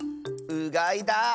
うがいだ！